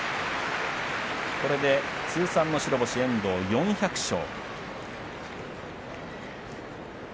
これで通算の白星遠藤は４００勝。